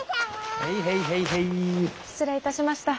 失礼いたしました。